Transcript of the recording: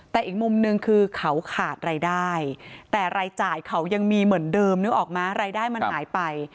แต่อีกมุมนึงคือเขาขาดรายได้แต่รายจ่ายเขายังมีเหมือนเดิมนึกออกมั้ยรายได้มันหายไป